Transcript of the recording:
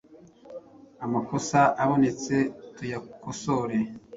Amakosa abonetse tuyakosore